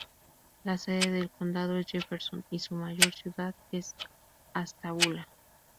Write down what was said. La sede del condado es Jefferson, y su mayor ciudad es Ashtabula.